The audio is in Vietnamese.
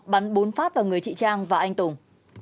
bắn bốn phát vào người chị trang và anh tùng